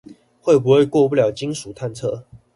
會不會過不了金屬探測